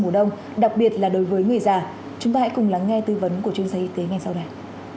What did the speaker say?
mùa đông đặc biệt là đối với người già chúng ta hãy cùng lắng nghe tư vấn của chuyên gia y tế ngay sau đây